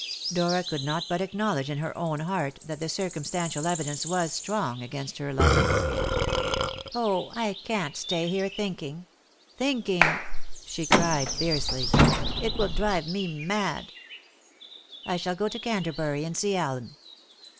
Dora could not but acknowledge in her own heart that the circumstantial evidence was strong against her lover. "Oh, I can't stay here thinking thinking!" she cried fiercely; "it will drive me mad. I shall go to Canterbury and see Allen.